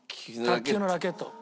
卓球のラケット。